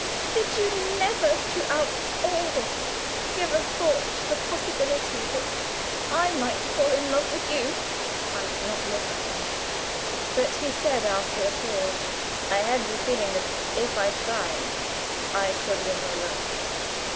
Did you never throughout all this give a thought to the possibility that I might fall in love with you?" I did not look at him, but he said, after a pause: "I had the feeling that if I tried I could win your love.